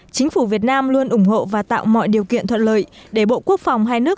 chính phủ việt nam luôn ủng hộ và tạo mọi điều kiện thuận lợi để bộ quốc phòng hai nước